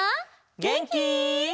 げんき？